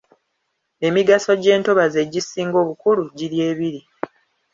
Emigaso gy’entobazi egisinga obukulu giri ebiri.